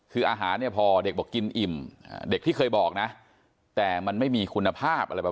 คืออาหารเนี่ยพอเด็กบอกกินอิ่มเด็กที่เคยบอกนะแต่มันไม่มีคุณภาพอะไรแบบ